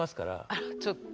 あらちょっと。